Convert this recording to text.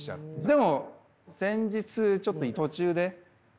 でも先日ちょっとえっ！？